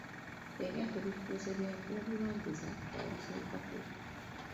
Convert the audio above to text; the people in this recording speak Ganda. Ebyaffe bifuuse bya gw'olulambuza y’alusalako.